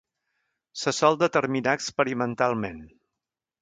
Se sol determinar experimentalment.